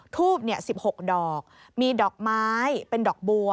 ทูบ๑๖ดอกมีดอกไม้เป็นดอกบัว